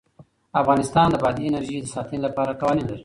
افغانستان د بادي انرژي د ساتنې لپاره قوانین لري.